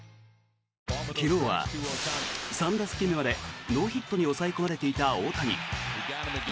昨日は３打席目までノーヒットに抑え込まれていた大谷。